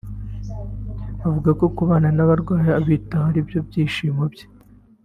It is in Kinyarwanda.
akavuga ko kubana n’abarwayi abitaho ari byo byishimo bye